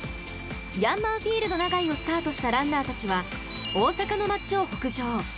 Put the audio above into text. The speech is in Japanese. ヤンマーフィールド長居をスタートしたランナーたちは大阪の街を北上。